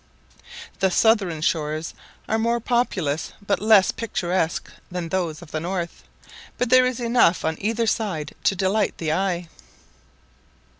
The southern shores are more populous but less picturesque than those of the north, but there is enough on either side to delight the eye.